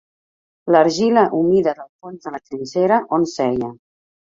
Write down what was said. L'argila humida del fons de la trinxera, on seia